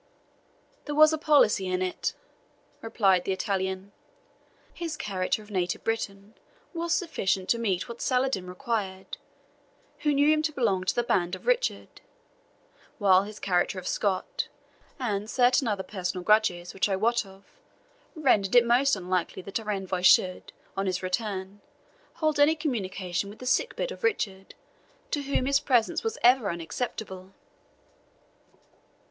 "There was a policy in it," replied the Italian. "His character of native of Britain was sufficient to meet what Saladin required, who knew him to belong to the band of Richard; while his character of Scot, and certain other personal grudges which I wot of, rendered it most unlikely that our envoy should, on his return, hold any communication with the sick bed of Richard, to whom his presence was ever unacceptable."